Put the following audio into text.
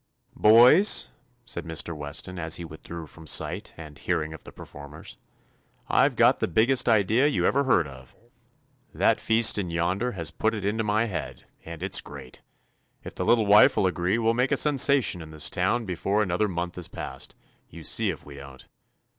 "Boys," said Mr. Weston, as he withdrew from sight and hearing of the performers, "I 've got the biggest idea you ever heard of I That feast 203 THE ADVENTURES OF in yonder has put it into my head, and it's great! If the little wife will agree, we '11 make a sensation in this town before another month has passed, you see if we don't!"